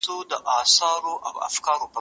په دې تور اغزن سفر کي انسانان لکه ژوري